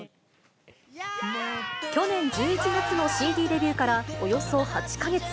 去年１１月のＣＤデビューからおよそ８か月。